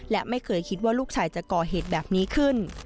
และไม่เคยคิดว่าลูกชายจะก่อเหตุแบบนี้ขึ้น